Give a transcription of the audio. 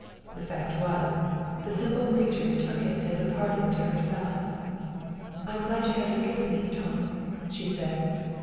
The fact was, the simple creature took it as a pardon to herself. "I am glad you have forgiven me, Tom," she said.